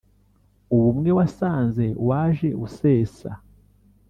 ubumwe wasanze waje usesa